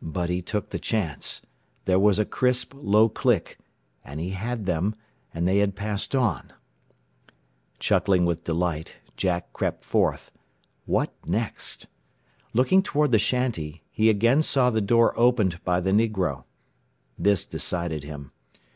But he took the chance, there was a crisp, low click and he had them, and they had passed on. Chuckling with delight, Jack crept forth. What next? Looking toward the shanty, he again saw the door opened by the negro. This decided him.